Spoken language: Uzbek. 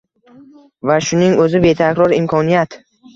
Va shuning o‘zi betakror imkoniyat.